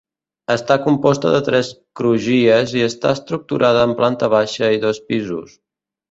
Està composta de tres crugies i està estructurada en planta baixa i dos pisos.